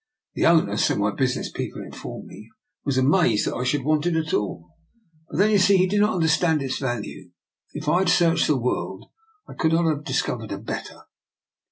The owner, so my business people in formed me, was amazed that I should want it at all; but then you see he did not understand its value. If I had searched the world, I could not have discovered a better.